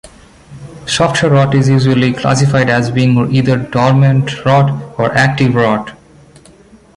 Software rot is usually classified as being either dormant rot or active rot.